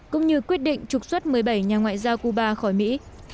cũng như quyết định trục xuất một mươi bảy nhà ngoại giao cuba khỏi mỹ